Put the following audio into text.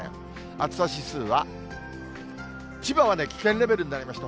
暑さ指数は、千葉は危険レベルになりました。